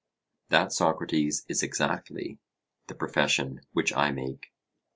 That, Socrates, is exactly the profession which I make.